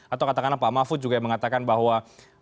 atau katakanlah pak mahfud juga yang mengatakan bahwa